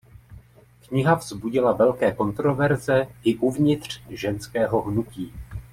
Kniha vzbudila velké kontroverze i uvnitř ženského hnutí.